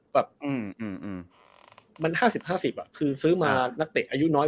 แบบอืมอืมอืมมัน๕๐๕๐อ่ะคือซื้อมานักเตะอายุน้อย